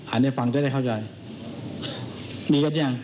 อ่านในฟังได้ได้เข้าใจ